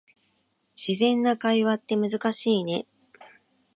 自然な会話って難しいね